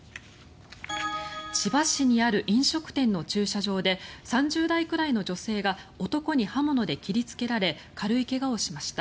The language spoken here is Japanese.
千葉市にある飲食店の駐車場で３０代くらいの女性が男に刃物で切りつけられ軽い怪我をしました。